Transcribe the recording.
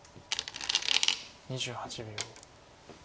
２８秒。